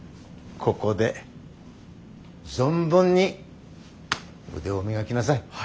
ここで存分に腕を磨きなさい。